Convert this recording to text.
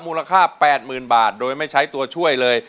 มูลค่า๘๐๐๐บาทโดยไม่ใช้ตัวช่วยเลย